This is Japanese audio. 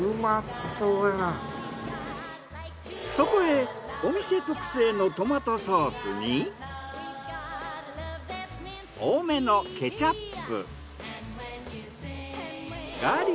そこへお店特製のトマトソースに多めのケチャップ。